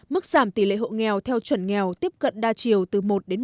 mức giảm tỷ lệ hộ nghèo theo chuẩn nghèo tiếp cận đa chiều từ một năm